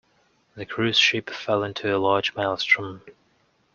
The cruise ship fell into a large Maelstrom.